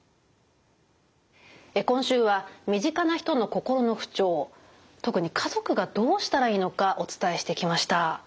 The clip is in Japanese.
今週は身近な人の心の不調特に家族がどうしたらいいのかお伝えしてきました。